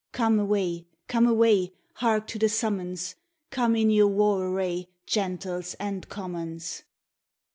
Come away, come away, Hark to the summons ! Come in your war array, Gentles and commons.